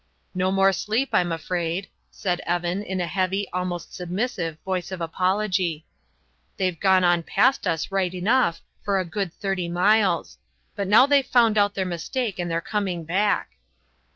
"No more sleep, I'm afraid," said Evan, in a heavy, almost submissive, voice of apology. "They've gone on past us right enough for a good thirty miles; but now they've found out their mistake, and they're coming back."